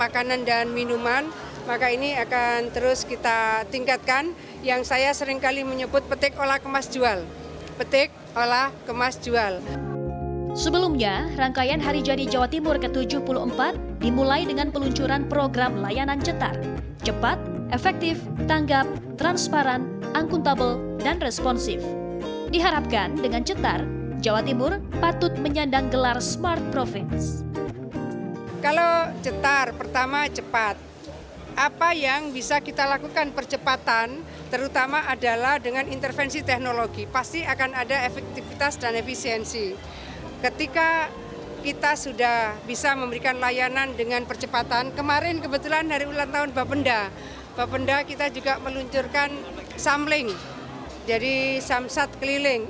keputusan gubernur jawa timur jawa timur jawa timur jawa timur jawa timur jawa timur jawa timur jawa timur jawa timur disorder